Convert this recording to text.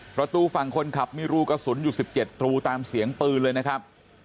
ประตูฝั่งคนขับมีรูกระสุนอยู่๑๗รูตามเสียงปืนเลยนะครับ